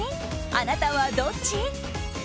あなたはどっち？